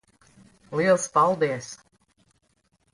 Liels paldies.